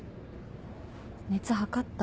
熱測った？